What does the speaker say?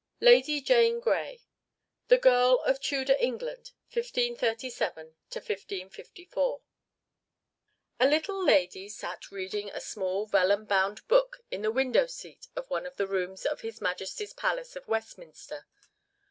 V Lady Jane Grey The Girl of Tudor England: 1537 1554 A little lady sat reading a small, vellum bound book in the window seat of one of the rooms of his Majesty's palace of Westminster.